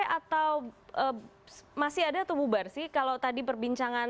ketua umum juga berbincangan